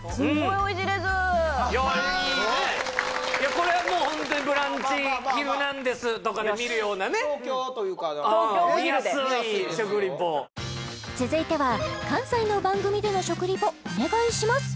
これはもうホントに「ブランチ」「ヒルナンデス！」とかで見るようなね東京というか東京お昼で続いては関西の番組での食リポお願いします